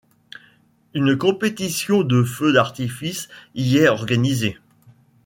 Une compétition de feu d'artifice y est organisée.